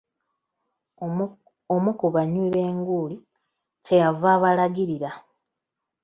Omu ku banywi b'enguuli kyeyava abalagirira.